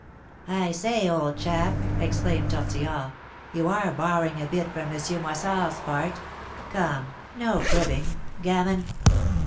"I say, old chap," exclaimed Tortillard, "you are borrowing a bit from M. Moissard's part! Come, no cribbing gammon!"